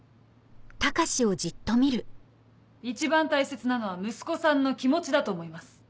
一番大切なのは息子さんの気持ちだと思います。